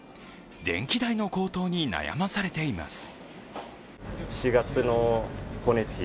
電気代の高騰に悩まされています。